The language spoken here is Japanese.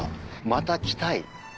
また来たい！